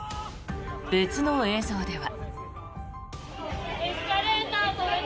別の映像では。